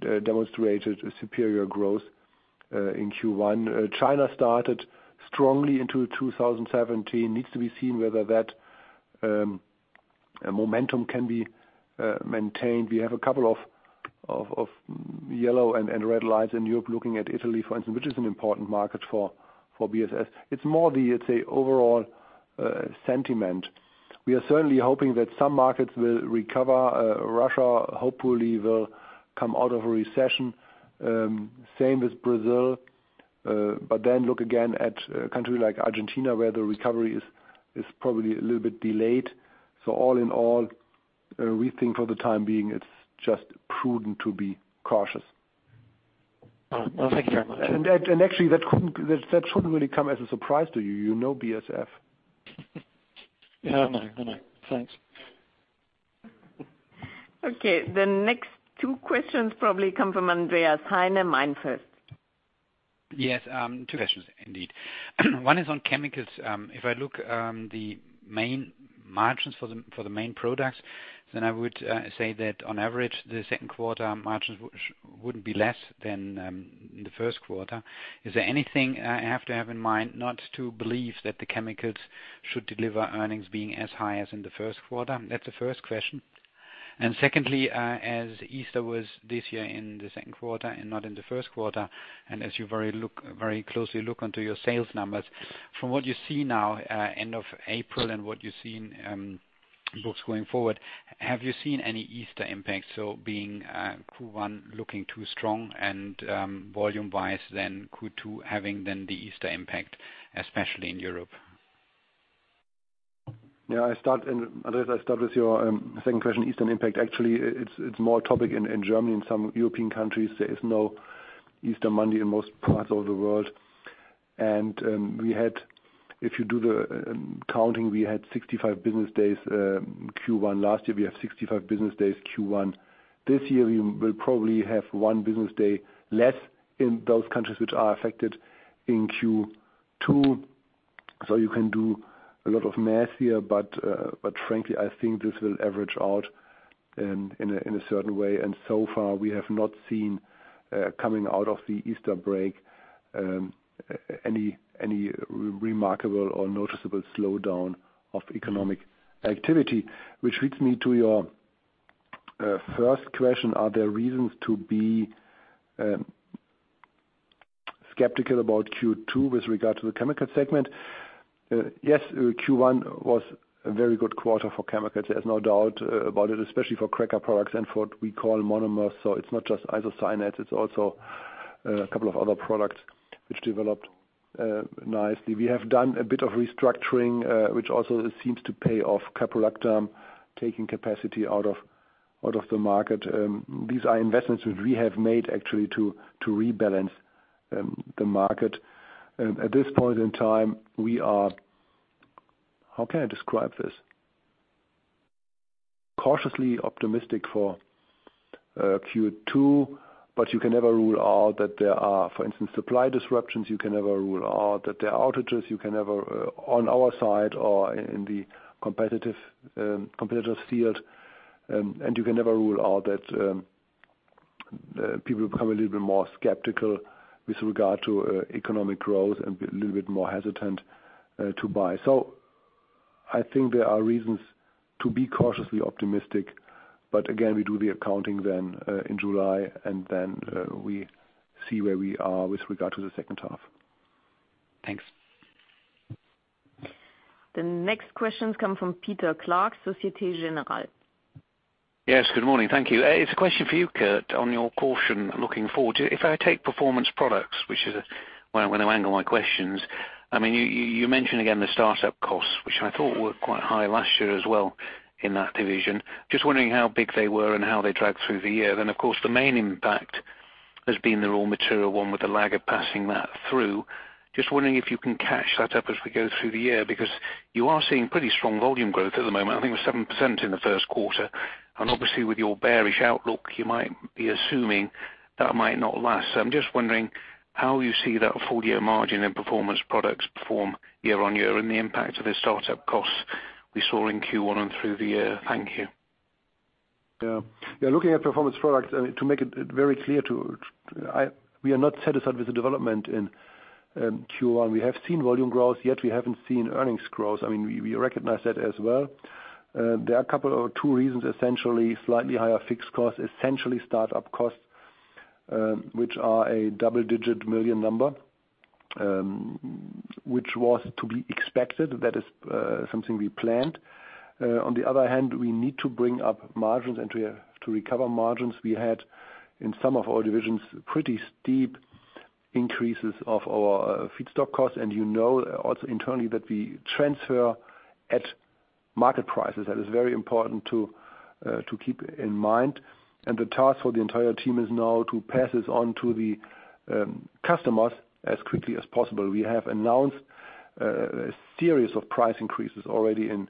demonstrated a superior growth in Q1. China started strongly into 2017. Needs to be seen whether that momentum can be maintained. We have a couple of yellow and red lights in Europe looking at Italy, for instance, which is an important market for BASF. It's more the, I'd say, overall sentiment. We are certainly hoping that some markets will recover. Russia hopefully will come out of a recession. Same with Brazil. Then look again at a country like Argentina where the recovery is probably a little bit delayed. All in all, we think for the time being it's just prudent to be cautious. All right. Well, thank you very much. Actually that couldn't, that shouldn't really come as a surprise to you. You know BASF. Yeah, I know. Thanks. Okay. The next two questions probably come from Andreas Heine, MainFirst. Yes, two questions indeed. One is on chemicals. If I look at the main margins for the main products, then I would say that on average the second quarter margins would be less than the first quarter. Is there anything I have to have in mind not to believe that the chemicals should deliver earnings being as high as in the first quarter? That's the first question. Secondly, as Easter was this year in the second quarter and not in the first quarter, and as you very closely look into your sales numbers, from what you see now, end of April and what you see in books going forward, have you seen any Easter impact, so being Q1 looking too strong and volume-wise then Q2 having the Easter impact, especially in Europe? Yeah, Andreas, I start with your second question, Easter impact. Actually, it's more a topic in Germany and some European countries. There is no Easter Monday in most parts of the world. If you do the counting, we had 65 business days Q1 last year, we have 65 business days Q1. This year we will probably have one business day less in those countries which are affected in Q2. You can do a lot of math here, but frankly, I think this will average out in a certain way, and so far we have not seen coming out of the Easter break any remarkable or noticeable slowdown of economic activity, which leads me to your first question, are there reasons to be skeptical about Q2 with regard to the chemicals segment? Yes, Q1 was a very good quarter for chemicals. There's no doubt about it, especially for cracker products and for what we call monomers. It's not just isocyanates, it's also a couple of other products which developed nicely. We have done a bit of restructuring, which also seems to pay off. Caprolactam, taking capacity out of the market. These are investments which we have made actually to rebalance the market. At this point in time, we are cautiously optimistic for Q2, but you can never rule out that there are, for instance, supply disruptions. You can never rule out that there are outages, you can never on our side or in the competitive field, and you can never rule out that people become a little bit more skeptical with regard to economic growth and be a little bit more hesitant to buy. I think there are reasons to be cautiously optimistic. Again, we do the accounting then in July, and then we see where we are with regard to the second half. Thanks. The next questions come from Peter Clark, Société Générale. Yes. Good morning. Thank you. It's a question for you, Kurt, on your caution looking forward. If I take Performance Products. When I angle my questions, I mean, you mentioned again the start-up costs, which I thought were quite high last year as well in that division. Just wondering how big they were and how they dragged through the year. Then, of course, the main impact has been the raw material one with the lag of passing that through. Just wondering if you can catch that up as we go through the year because you are seeing pretty strong volume growth at the moment. I think it was 7% in the first quarter, and obviously with your bearish outlook, you might be assuming that might not last. I'm just wondering how you see that full-year margin in Performance Products perform year-over-year and the impact of the start-up costs we saw in Q1 and through the year? Thank you. Yeah. Yeah, looking at Performance Products, to make it very clear. We are not satisfied with the development in Q1. We have seen volume growth, yet we haven't seen earnings growth. I mean, we recognize that as well. There are a couple or two reasons, essentially slightly higher fixed costs, essentially start-up costs, which are a double-digit million number, which was to be expected. That is something we planned. On the other hand, we need to bring up margins and to recover margins we had in some of our divisions, pretty steep increases of our feedstock costs. You know also internally that we transfer at market prices. That is very important to keep in mind. The task for the entire team is now to pass this on to the customers as quickly as possible. We have announced a series of price increases already in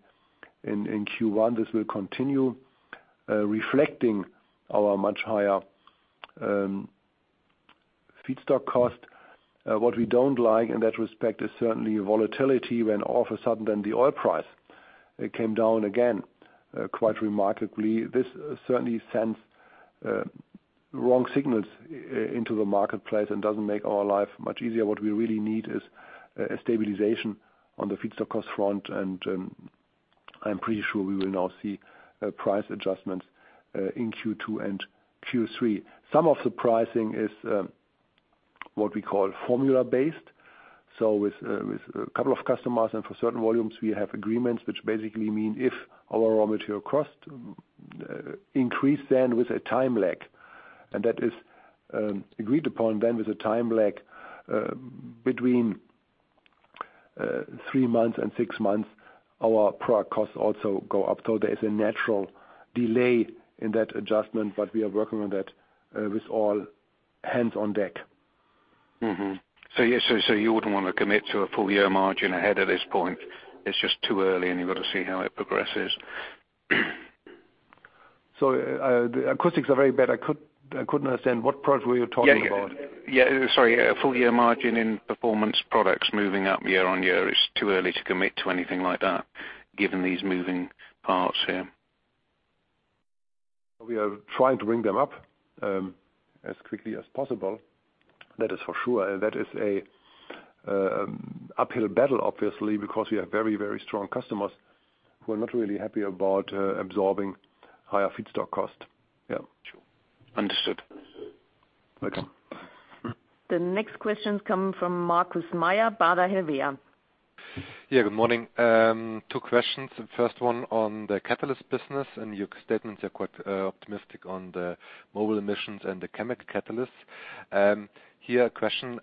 Q1. This will continue, reflecting our much higher feedstock cost. What we don't like in that respect is certainly volatility when all of a sudden then the oil price, it came down again quite remarkably. This certainly sends wrong signals into the marketplace and doesn't make our life much easier. What we really need is a stabilization on the feedstock cost front, and I'm pretty sure we will now see price adjustments in Q2 and Q3. Some of the pricing is what we call formula-based. With a couple of customers and for certain volumes, we have agreements which basically mean if our raw material costs increase, then with a time lag, and that is agreed upon then with a time lag between three months and six months, our product costs also go up. There is a natural delay in that adjustment, but we are working on that with all hands on deck. Yes, so you wouldn't want to commit to a full-year margin ahead at this point. It's just too early, and you've got to see how it progresses. The acoustics are very bad. I couldn't understand what part were you talking about? Yeah. Sorry. A full-year margin in performance products moving up year-on-year. It's too early to commit to anything like that given these moving parts here. We are trying to bring them up as quickly as possible. That is for sure. That is an uphill battle obviously, because we have very, very strong customers who are not really happy about absorbing higher feedstock cost. Yeah. Sure. Understood. Thanks. The next question comes from Markus Mayer, Baader Bank. Yeah. Good morning. Two questions. The first one on the catalyst business and your statements are quite optimistic on the mobile emissions and the chemical catalysts. Here a question,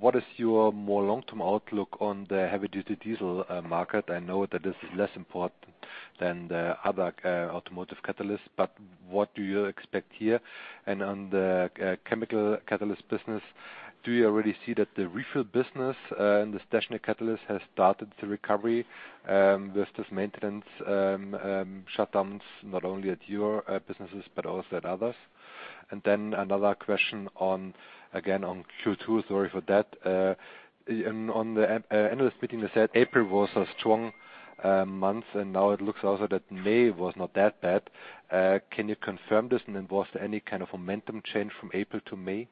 what is your more long-term outlook on the heavy-duty diesel market? I know that this is less important than the other automotive catalysts, but what do you expect here? On the chemical catalyst business, do you already see that the refill business and the stationary catalyst has started the recovery with this maintenance shutdowns not only at your businesses but also at others? Another question on, again, on Q2, sorry for that. On the end of the meeting you said April was a strong month, and now it looks also that May was not that bad. Can you confirm this and then was there any kind of momentum change from April to May?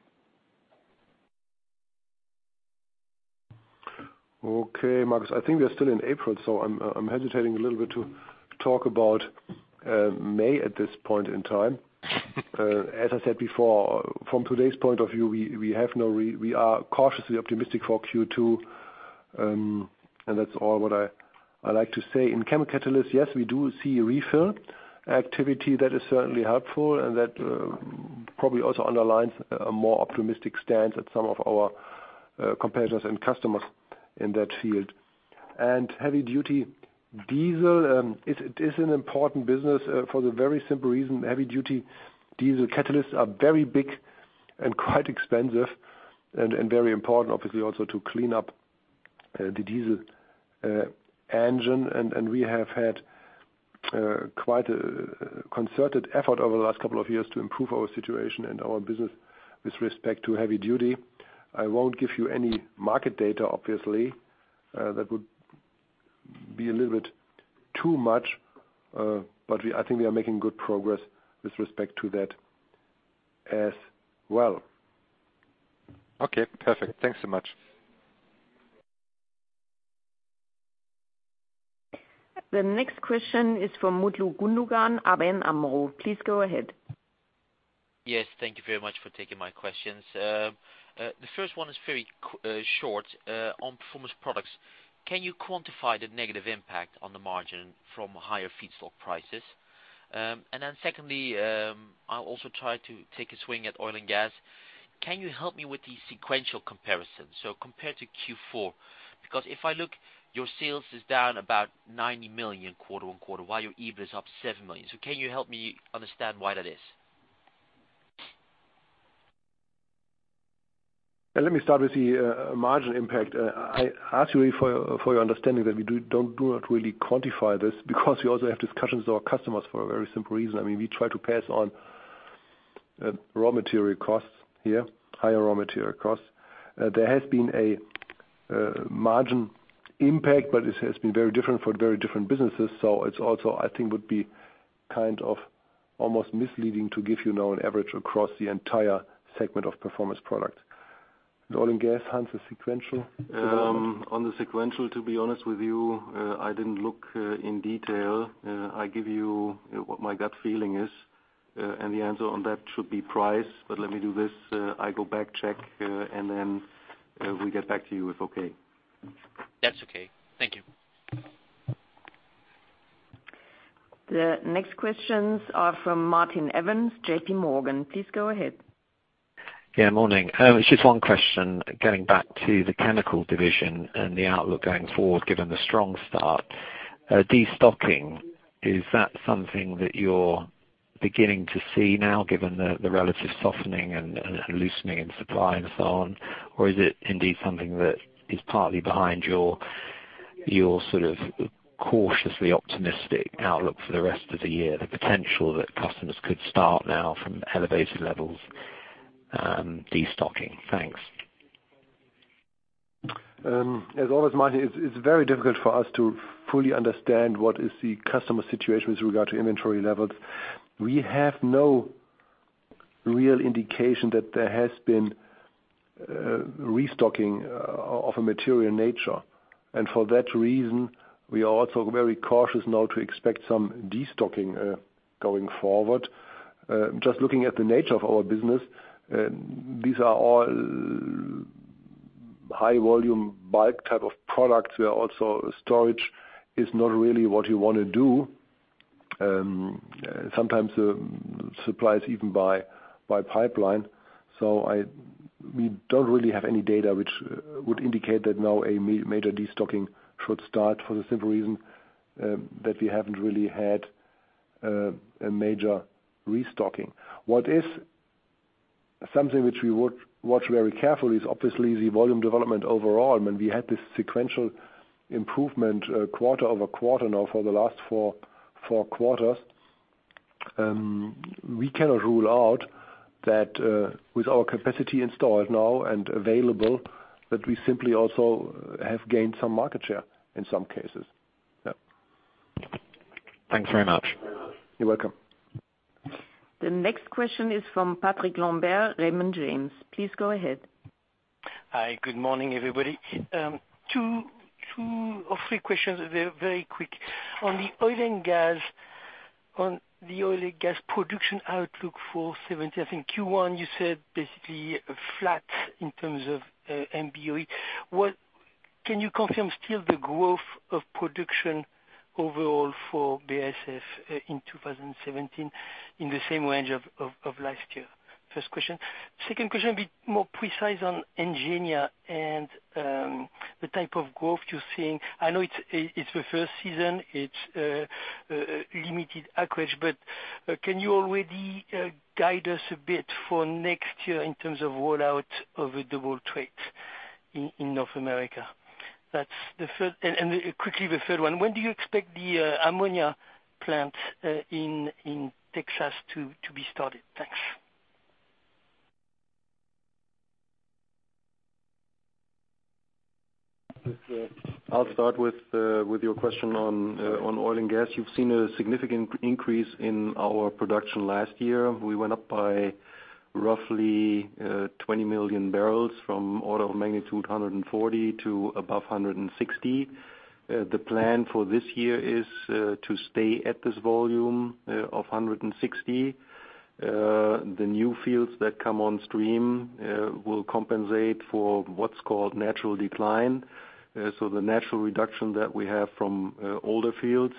Okay, Markus, I think we are still in April, so I'm hesitating a little bit to talk about May at this point in time. As I said before, from today's point of view, we are cautiously optimistic for Q2, and that's all what I like to say. In chemical catalysts, yes, we do see refill activity that is certainly helpful, and that probably also underlines a more optimistic stance at some of our competitors and customers in that field. Heavy-duty diesel, it is an important business for the very simple reason heavy-duty diesel catalysts are very big and quite expensive and very important obviously also to clean up the diesel engine. We have had quite a concerted effort over the last couple of years to improve our situation and our business with respect to heavy duty. I won't give you any market data, obviously. That would be a little bit too much, but I think we are making good progress with respect to that as well. Okay. Perfect. Thanks so much. The next question is from Mutlu Gundogan, ABN AMRO. Please go ahead. Yes. Thank you very much for taking my questions. The first one is very short on Performance Products. Can you quantify the negative impact on the margin from higher feedstock prices? And then secondly, I'll also try to take a swing at oil and gas. Can you help me with the sequential comparison, so compared to Q4? Because if I look, your sales is down about 90 million quarter-over-quarter while your EBIT is up 7 million. Can you help me understand why that is? Let me start with the margin impact. I ask you for your understanding that we do not really quantify this because we also have discussions with our customers for a very simple reason. I mean, we try to pass on higher raw material costs. There has been a margin impact, but it has been very different for very different businesses, so it's also I think would be kind of almost misleading to give you now an average across the entire segment of Performance Product. The oil and gas, Hans, the sequential? On the sequential, to be honest with you, I didn't look in detail. I give you what my gut feeling is, and the answer on that should be price. Let me do this. I go back, check, and then we get back to you if okay. That's okay. Thank you. The next questions are from Martin Evans, JP Morgan. Please go ahead. Morning. It's just one question, getting back to the Chemical Division and the outlook going forward given the strong start. Destocking, is that something that you're beginning to see now given the relative softening and loosening in supply and so on? Or is it indeed something that is partly behind your sort of cautiously optimistic outlook for the rest of the year, the potential that customers could start now from elevated levels, destocking? Thanks. As always, Martin, it's very difficult for us to fully understand what is the customer situation with regard to inventory levels. We have no real indication that there has been restocking of a material nature. For that reason, we are also very cautious now to expect some destocking going forward. Just looking at the nature of our business, these are all high volume bulk type of products where also storage is not really what you wanna do. Sometimes the supply is even by pipeline. We don't really have any data which would indicate that now a major destocking should start for the simple reason that we haven't really had a major restocking. What is something which we would watch very carefully is obviously the volume development overall. I mean, we had this sequential improvement, quarter-over-quarter now for the last four quarters. We cannot rule out that, with our capacity installed now and available, that we simply also have gained some market share in some cases. Yeah. Thanks very much. You're welcome. The next question is from Patrick Lambert, Raymond James. Please go ahead. Hi, good morning, everybody. Two of three questions, they're very quick. On the oil and gas production outlook for 2017, I think Q1 you said basically flat in terms of MBOE. What can you confirm still the growth of production overall for BASF in 2017 in the same range of last year? First question. Second question, be more precise on Engenia and the type of growth you're seeing. I know it's the first season, it's limited acreage. But can you already guide us a bit for next year in terms of rollout of the herbicide in North America? That's the third. And quickly the third one, when do you expect the ammonia plant in Texas to be started? Thanks. I'll start with your question on oil and gas. You've seen a significant increase in our production last year. We went up by roughly 20 million bbl from order of magnitude 140 to above 160. The plan for this year is to stay at this volume of 160. The new fields that come on stream will compensate for what's called natural decline, so the natural reduction that we have from older fields.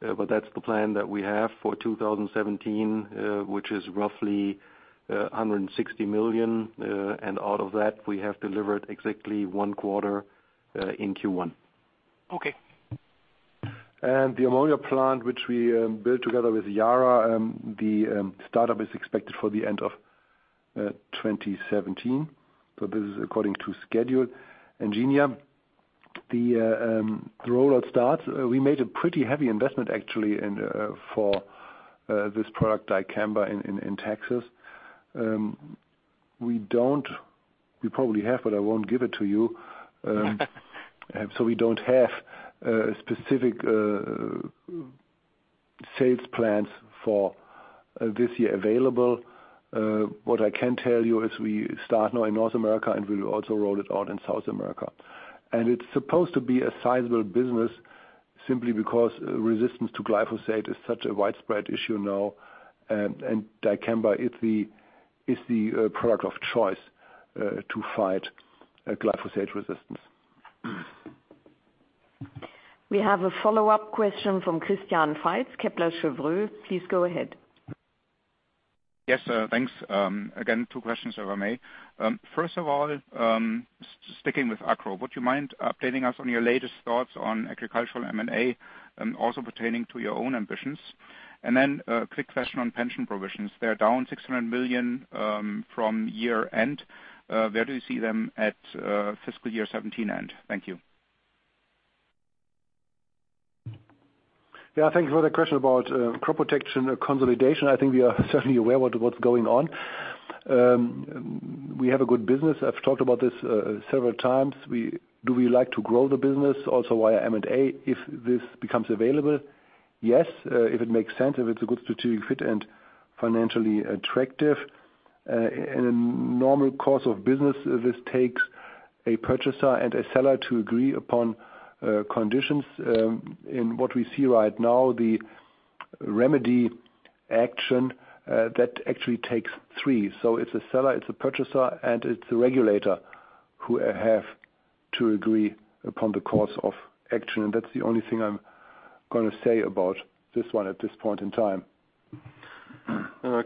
That's the plan that we have for 2017, which is roughly 160 million. Out of that, we have delivered exactly one quarter in Q1. Okay. The ammonia plant, which we built together with Yara, the startup is expected for the end of 2017. This is according to schedule. Engenia, the rollout starts, we made a pretty heavy investment actually in for this product dicamba in Texas. We probably have, but I won't give it to you. We don't have specific sales plans for this year available. What I can tell you is we start now in North America, and we'll also roll it out in South America. It's supposed to be a sizable business simply because resistance to glyphosate is such a widespread issue now. Dicamba is the product of choice to fight glyphosate resistance. We have a follow-up question from Christian Faitz, Kepler Cheuvreux. Please go ahead. Yes, thanks. Again, two questions if I may. First of all, sticking with Agro, would you mind updating us on your latest thoughts on agricultural M&A, also pertaining to your own ambitions? A quick question on pension provisions. They are down 600 million from year-end. Where do you see them at fiscal year 2017 end? Thank you. Yeah, thank you for the question about crop protection consolidation. I think we are certainly aware what's going on. We have a good business. I've talked about this several times. Do we like to grow the business also via M&A if this becomes available? Yes, if it makes sense, if it's a good strategic fit and financially attractive. In a normal course of business, this takes a purchaser and a seller to agree upon conditions. In what we see right now, the remedy action that actually takes three. It's a seller, it's a purchaser, and it's the regulator who have to agree upon the course of action. That's the only thing I'm gonna say about this one at this point in time.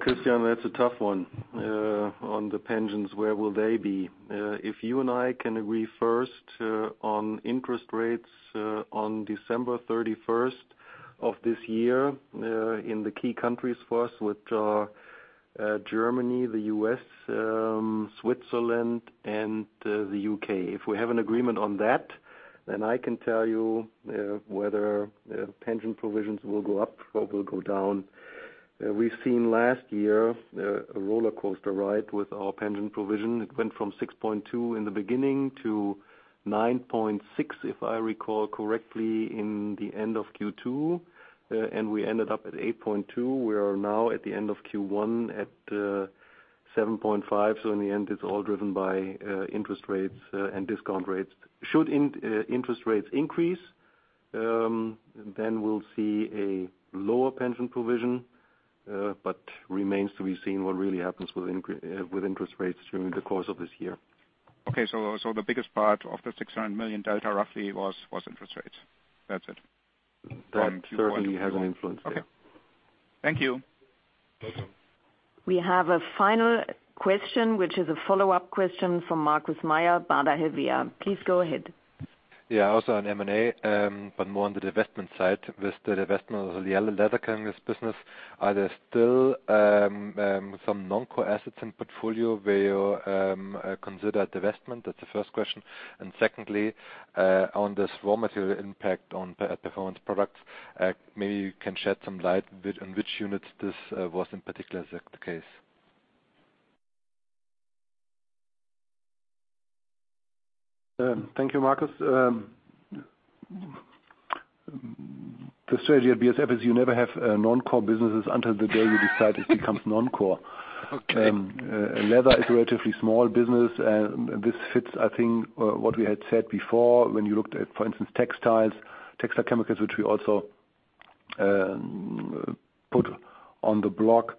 Christian, that's a tough one. On the pensions, where will they be? If you and I can agree first on interest rates on December 31st of this year in the key countries for us, which are Germany, the U.S., Switzerland, and the U.K. If we have an agreement on that, then I can tell you whether pension provisions will go up or will go down. We've seen last year a rollercoaster ride with our pension provision. It went from 6.2 in the beginning to 9.6, if I recall correctly, in the end of Q2. We ended up at 8.2. We are now at the end of Q1 at 7.5. In the end, it's all driven by interest rates and discount rates. Should interest rates increase, then we'll see a lower pension provision. Remains to be seen what really happens with interest rates during the course of this year. The biggest part of the 600 million delta roughly was interest rates. That's it. That certainly has an influence. Yeah. Okay. Thank you. Welcome. We have a final question, which is a follow-up question from Markus Mayer, Baader Bank. Please go ahead. Yeah, also on M&A, but more on the divestment side. With the divestment of the leather chemicals business, are there still some non-core assets in portfolio where you consider divestment? That's the first question. Secondly, on this raw material impact on Performance Products, maybe you can shed some light on which units this was in particular the case. Thank you, Markus. The strategy at BASF is you never have non-core businesses until the day you decide it becomes non-core. Okay. Leather is a relatively small business. This fits, I think, what we had said before when you looked at, for instance, textiles, textile chemicals, which we also put on the block.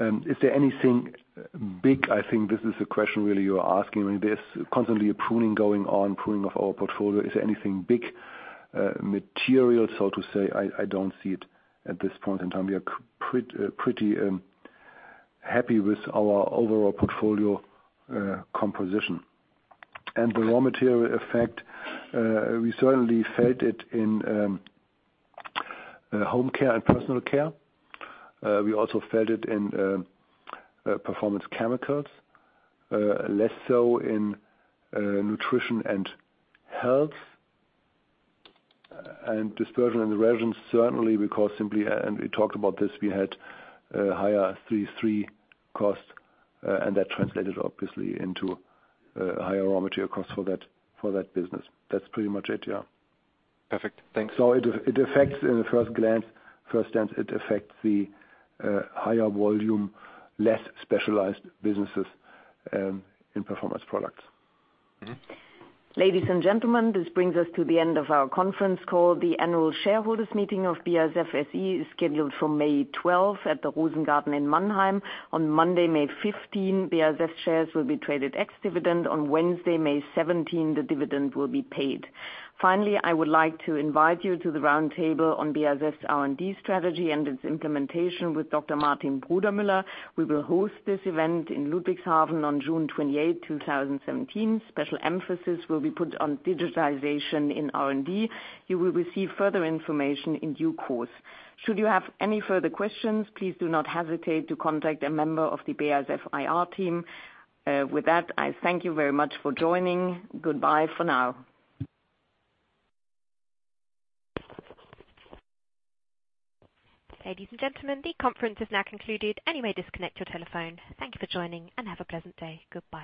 Is there anything big? I think this is a question really you're asking. There's constantly a pruning going on of our portfolio. Is there anything big, material, so to say? I don't see it at this point in time. We are pretty happy with our overall portfolio composition. The raw material effect we certainly felt it in home care and personal care. We also felt it in performance chemicals. Less so in nutrition and health. Dispersion and the resins, certainly because simply, and we talked about this, we had higher C3 costs, and that translated obviously into higher raw material costs for that business. That's pretty much it, yeah. Perfect. Thanks. It affects in the first instance the higher volume, less specialized businesses in Performance Products. Mm-hmm. Ladies and gentlemen, this brings us to the end of our conference call. The annual shareholders meeting of BASF SE is scheduled for May 12 at the Rosengarten in Mannheim. On Monday, May 15, BASF shares will be traded ex-dividend. On Wednesday, May 17, the dividend will be paid. Finally, I would like to invite you to the roundtable on BASF's R&D strategy and its implementation with Dr. Martin Brudermüller. We will host this event in Ludwigshafen on June 28, 2017. Special emphasis will be put on digitization in R&D. You will receive further information in due course. Should you have any further questions, please do not hesitate to contact a member of the BASF IR team. With that, I thank you very much for joining. Goodbye for now. Ladies and gentlemen, the conference is now concluded and you may disconnect your telephone. Thank you for joining and have a pleasant day. Goodbye.